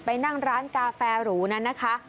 นั่งร้านกาแฟหรูนั้นนะคะ